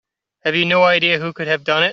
Have you no idea who could have done it?